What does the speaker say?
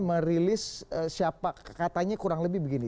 merilis siapa katanya kurang lebih begini